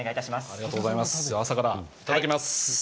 朝からいただきます。